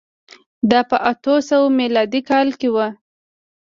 دا په اتو سوه میلادي کال کې و